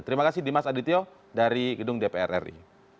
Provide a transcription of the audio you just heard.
terima kasih dimas adityo dari gedung dpr ri